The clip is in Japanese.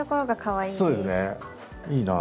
いいなぁ。